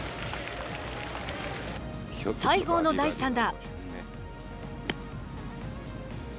西郷の第３打。